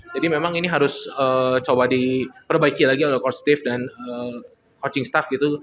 jadi memang ini harus coba diperbaiki lagi oleh coach steve dan coaching staff gitu